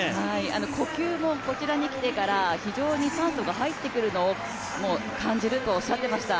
呼吸もこちらに来てから非常に酸素が入ってくるのを感じるとおっしゃっていました。